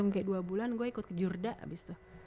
langsung kayak dua bulan gue ikut ke jurda abis itu